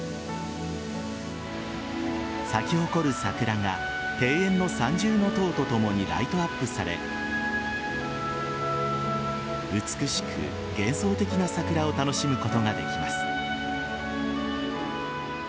咲き誇る桜が庭園の三重塔とともにライトアップされ美しく幻想的な桜を楽しむことができます。